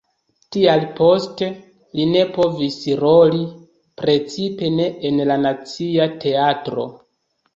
Tial poste li ne povis roli, precipe ne en la Nacia Teatro.